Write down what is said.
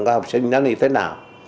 của học sinh nó như thế nào